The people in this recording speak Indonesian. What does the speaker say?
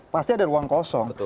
pasti ada ruang kosong